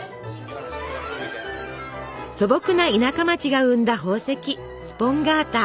素朴な田舎町が生んだ宝石スポンガータ。